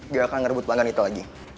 dia akan ngerebut pangan itu lagi